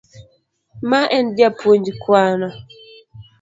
Ma en japuonj Kwano.